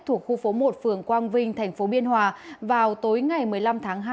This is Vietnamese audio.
thuộc khu phố một phường quang vinh tp biên hòa vào tối ngày một mươi năm tháng hai